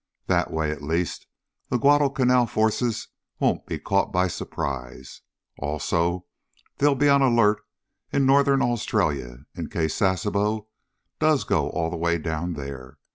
That way, at least, the Guadalcanal forces won't be caught by surprise. Also they'll be on the alert in Northern Australia in case Sasebo does go all the way down there.